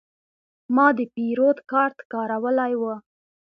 ما د پیرود کارت کارولی و.